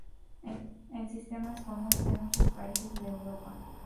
El sistema es común en muchos países de Europa.